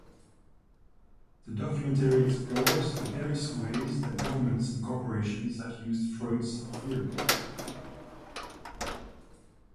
The documentary explores the various ways that governments and corporations have used Freud's theories.